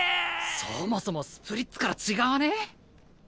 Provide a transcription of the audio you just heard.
そもそもスプリッツから違わね？